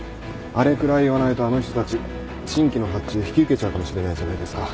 あれくらい言わないとあの人たち新規の発注引き受けちゃうかもしれないじゃないですか。